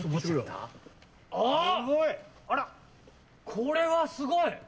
これはすごい！